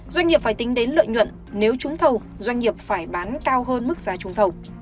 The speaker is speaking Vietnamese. doanh nghiệp phải tính đến lợi nhuận nếu trúng thầu doanh nghiệp phải bán cao hơn mức giá trung thầu